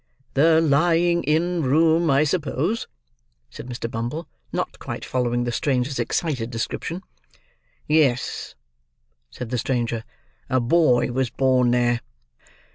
"The lying in room, I suppose?" said Mr. Bumble, not quite following the stranger's excited description. "Yes," said the stranger. "A boy was born there."